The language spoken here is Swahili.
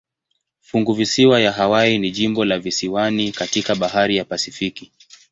Funguvisiwa ya Hawaii ni jimbo la visiwani katika bahari ya Pasifiki.